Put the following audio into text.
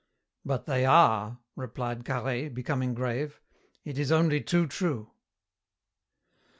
"But they are," replied Carhaix, becoming grave. "It is only too true."